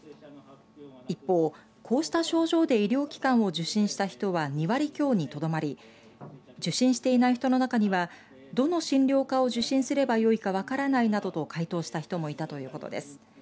一方、こうした症状で医療機関を受診した人は２割強にとどまり受診していない人の中にはどの診療科を受診すればよいか分からないなどと回答した人もいたということです。